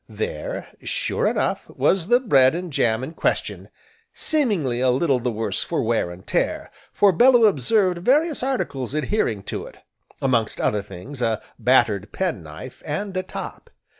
There, sure enough, was the bread and jam in question, seemingly a little the worse for wear and tear, for Bellew observed various articles adhering to it, amongst other things, a battered penknife, and a top.